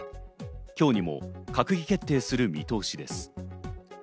今日にも閣議決定する見通しです。